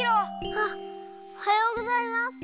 はっおはようございます。